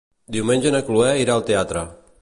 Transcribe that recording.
Diumenge na Chloé irà al teatre.